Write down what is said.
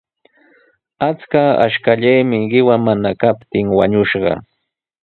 Achka ashkallami qiwa mana kaptin wañushqa.